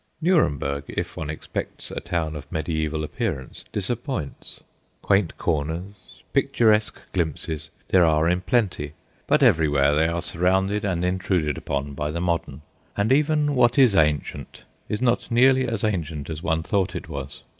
Nuremberg, if one expects a town of mediaeval appearance, disappoints. Quaint corners, picturesque glimpses, there are in plenty; but everywhere they are surrounded and intruded upon by the modern, and even what is ancient is not nearly so ancient as one thought it was.